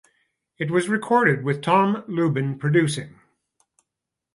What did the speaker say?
It was recorded with Tom Lubin producing.